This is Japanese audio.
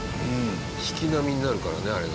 引き波になるからねあれが。